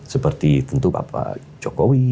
seperti tentu bapak jokowi